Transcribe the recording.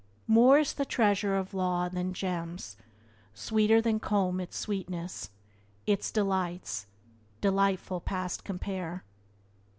"More is the treasure of law than gems; Sweeter than comb its sweetness. Its delights, Delightful past compare."